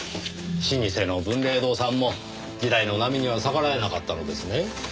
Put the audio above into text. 老舗の文礼堂さんも時代の波には逆らえなかったのですね。